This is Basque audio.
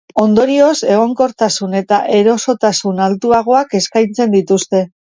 Ondorioz, egonkortasun eta erosotasun altuagoak eskaintzen dituzte.